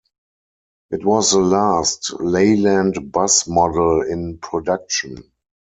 It was the last Leyland bus model in production.